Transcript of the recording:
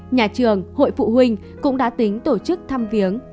nhà trường hội phụ huynh cũng đã tính tổ chức thăm viếng